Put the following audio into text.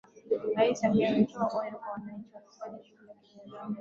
Rais Samia ametoa onyo kwa wananchi wanaofanya shughuli za kibinadamu ndani ya Hifadhi